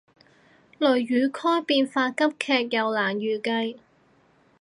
雷雨區變化急劇又難預計